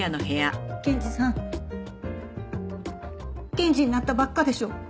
検事さん検事になったばっかでしょ？